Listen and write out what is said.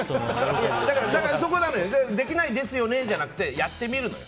そこなのよできないですよねじゃなくてやってみるのよ。